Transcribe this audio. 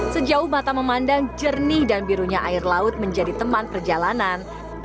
sejauh mata memandang jernih dan birunya air laut menjadi teman perjalanan